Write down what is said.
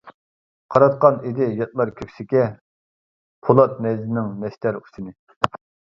قاراتقان ئىدى ياتلار كۆكسىگە، پولات نەيزىنىڭ نەشتەر ئۇچىنى.